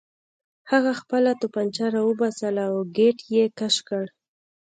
هغه خپله توپانچه راوباسله او ګېټ یې کش کړ